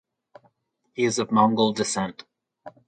He is of Mongol descent.